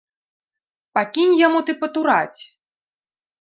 Пакінь яму ты патураць.